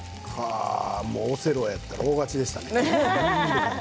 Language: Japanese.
オセロやったら大勝ちでしたね。